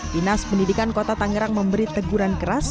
dinas pendidikan kota tangerang memberi teguran keras